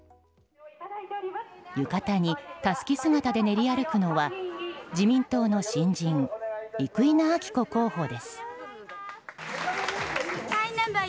浴衣にたすき姿で練り歩くのは自民党の新人生稲晃子候補です。